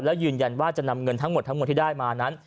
แล้วยืนยันว่าจะนำเงินทั้งหมดทั้งหมดที่ได้มานั้น